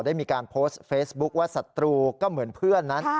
ได้มีการโพสต์เฟซบุ๊คว่าศัตรูก็เหมือนเพื่อนนั้น